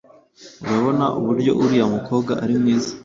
Urabona uburyo uriya mukobwa ari mwiza